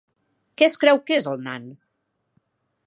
Què es creu que és el nan?